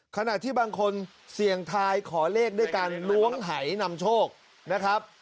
ขณะที่บางคนเสี่ยงทายขอเลขด้วยการล้วงหายนำโชคนะครับ